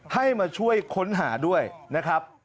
ให้มาช่วยค้นหาด้วยนะครับ